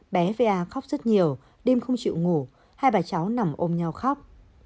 bé va khóc rất nhiều đêm không chịu ngủ hai bà cháu nằm ôm nhau khóc